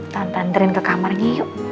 tante train ke kamarnya yuk